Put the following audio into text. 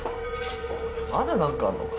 まだなんかあんのか？